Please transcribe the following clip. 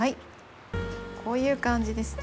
こういう感じですね。